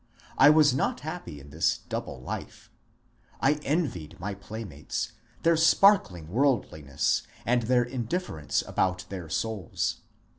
I was not happy in this double life. I envied my playmates their sparkling world liness and their indifference about their souls.